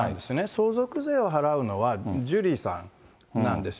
相続税を払うのはジュリーさんなんですよ。